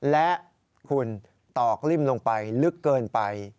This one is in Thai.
และคุณตอกลิ่มลงไปลึกเกินไป